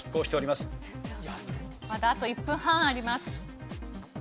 まだあと１分半あります。